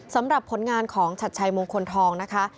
สำหรับผลงานของชัดชัยมงคลทองนะคะ